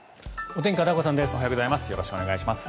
おはようございます。